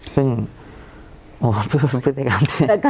ซึ่งโอ้พฤติการ